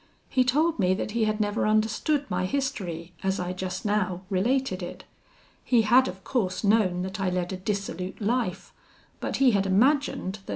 He told me that he had never understood my history, as I just now related it; he had of course known that I led a dissolute life, but he had imagined that M.